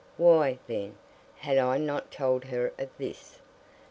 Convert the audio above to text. Why, then, had I not told her of this?